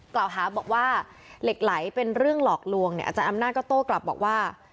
กล่าวหาบอกว่าเหล็กไหลเป็นเรื่องหลอกลวงเนี่ยอาจารย์อำนาจก็โต้กลับบอกว่า